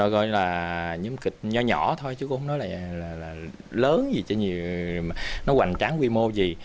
gọi là nhóm kịch nhỏ nhỏ thôi chứ cũng không nói là lớn gì cho nhiều nó hoành tráng quy mô gì